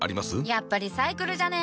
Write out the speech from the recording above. やっぱリサイクルじゃね？